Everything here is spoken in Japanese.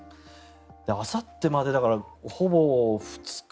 あさってまでだからほぼ２日。